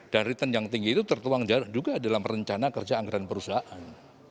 dan return yang tinggi itu tertuang juga dalam rencana kerja anggaran perusahaan